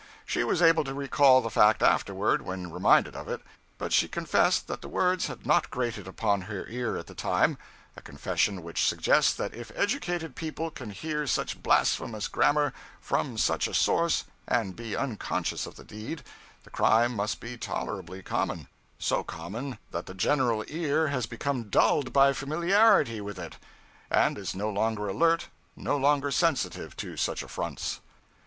She was able to recall the fact afterward, when reminded of it; but she confessed that the words had not grated upon her ear at the time a confession which suggests that if educated people can hear such blasphemous grammar, from such a source, and be unconscious of the deed, the crime must be tolerably common so common that the general ear has become dulled by familiarity with it, and is no longer alert, no longer sensitive to such affronts.